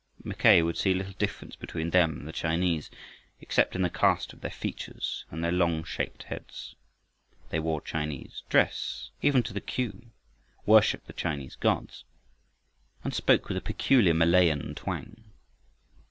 Mackay could see little difference between them and the Chinese, except in the cast of their features, and their long shaped heads. They wore Chinese dress, even to the cue, worshiped the Chinese gods, and spoke with a peculiar Malayan twang.